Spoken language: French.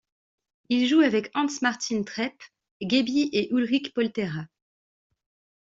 Il joue avec Hans-Martin Trepp, Gebi et Ulrich Poltera.